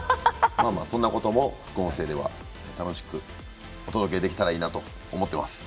まあ、そんなことも副音声では楽しくお届けできればと思います。